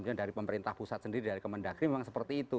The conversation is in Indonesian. kemudian dari pemerintah pusat sendiri dari kemendagri memang seperti itu